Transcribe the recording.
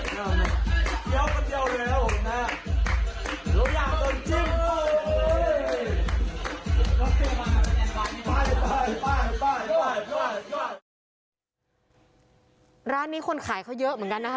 ทุนฮุ่นก็ต้องไม่อ้วนเกิน